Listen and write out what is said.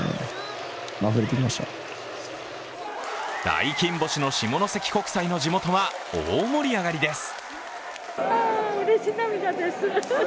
大金星の下関国際の地元は大盛り上がりです。